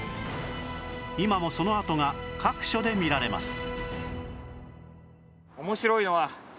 今もその跡が各所で見られます